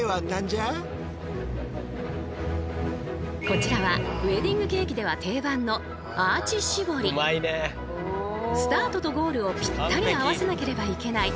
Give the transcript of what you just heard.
こちらはウエディングケーキでは定番のスタートとゴールをぴったり合わせなければいけない